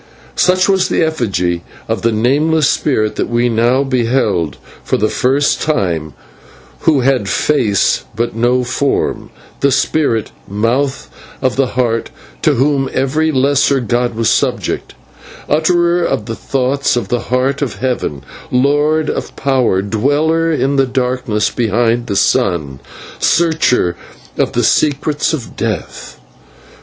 Such was the effigy of the Nameless spirit that we now beheld for the first time, who had face but no form; the spirit, Mouth of the Heart, to whom every lesser god was subject, Utterer of the thoughts of the Heart of Heaven, Lord of power, Dweller in the darkness behind the Sun, Searcher of the secrets of death.